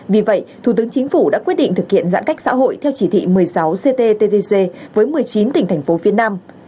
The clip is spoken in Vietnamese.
vì vậy thủ tướng chính phủ đã quyết định thực hiện giãn cách xã hội theo chỉ thị một mươi sáu cttg với một mươi chín tỉnh thành phố phía nam